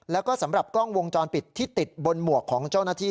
แล้วก็สำหรับกล้องวงจรปิดที่ติดบนหมวกของเจ้าหน้าที่